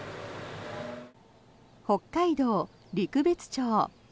北海道陸別町。